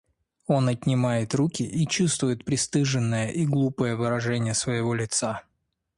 Он отнимает руки и чувствует пристыженное и глупое выражение своего лица.